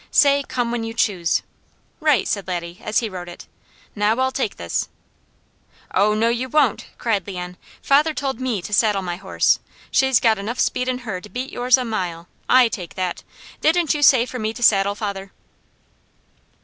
Say, 'Come when you choose!'" "Right!" said Laddie as he wrote it. "Now I'll take this!" "Oh no you won't!" cried Leon. "Father told me to saddle my horse. She's got enough speed in her to beat yours a mile. I take that! Didn't you say for me to saddle, father?"